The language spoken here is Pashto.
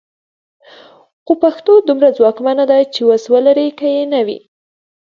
خو پښتو دومره ځواکمنه ده چې وس ولري که یې نه وي.